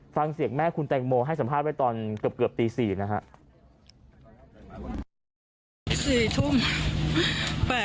ฟังเสียงแม่คุณแตงโมให้สัมภาษณ์ไว้ตอนเกือบตี๔นะครับ